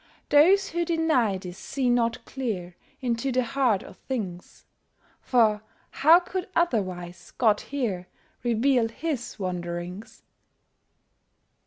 Those who deny this see not clear Into the heart of things; For how could otherwise God here Reveal His wanderings?